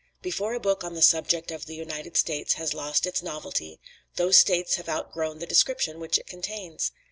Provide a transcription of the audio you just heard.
Before a book on the subject of the United States has lost its novelty, those states have outgrown the description which it contains.